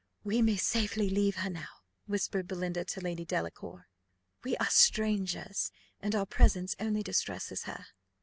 "We may safely leave her now," whispered Belinda to Lady Delacour; "we are strangers, and our presence only distresses her."